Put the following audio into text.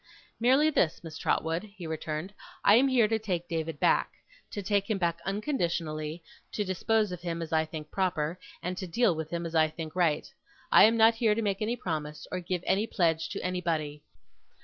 'Merely this, Miss Trotwood,' he returned. 'I am here to take David back to take him back unconditionally, to dispose of him as I think proper, and to deal with him as I think right. I am not here to make any promise, or give any pledge to anybody.